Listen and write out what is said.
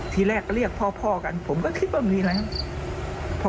ทีแรกเรียกพ่อกันผมก็คิดว่ามีอะไรนะครับ